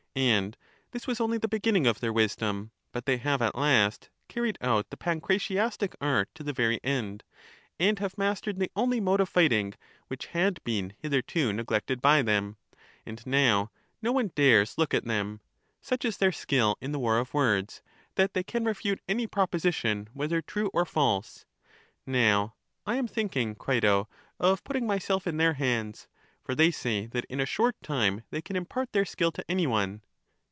And this was only the beginning of their wisdom, but they have at last carried out the pancratiastic art to the very end, and have mastered the only mode of fighting which had been hitherto neglected by them; and now no one dares look at them : such is their skill in the war of words, that they can refute any proposition whether true or false. Now I am thinking, Crito, of putting myself in their hands; for they say that in a short time they can impart their skill to any one.